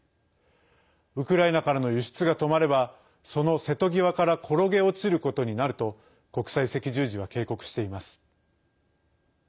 ウクライナからの輸出が止まればその瀬戸際から転げ落ちることになると国際赤十字は警告しています。